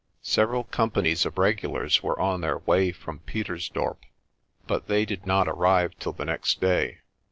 Several companies of regulars were on their way from Pietersdorp but they did not arrive till the next day.